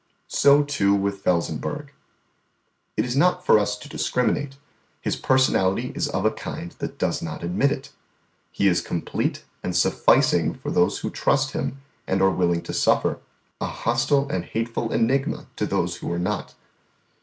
So, too, with Felsenburgh. "It is not for us to discriminate: His personality is of a kind that does not admit it. He is complete and sufficing for those who trust Him and are willing to suffer; an hostile and hateful enigma to those who are not.